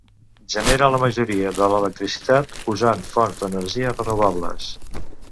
Genera la majoria de l'electricitat usant fonts d'energia renovables.